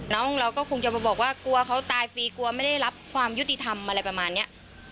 น้องเราก็คงจะมาบอกว่ากลัวเขาตายฟรีกลัวไม่ได้รับความยุติธรรมอะไรประมาณนี้